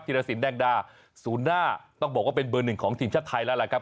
รสินแดงดาศูนย์หน้าต้องบอกว่าเป็นเบอร์หนึ่งของทีมชาติไทยแล้วล่ะครับ